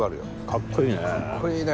かっこいいね。